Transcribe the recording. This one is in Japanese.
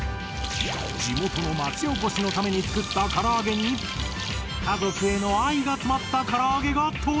地元の町おこしのために作ったから揚げに家族への愛が詰まったから揚げが登場！